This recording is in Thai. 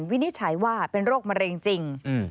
วินิจฉัยว่าเป็นโรคมะเร็งจริง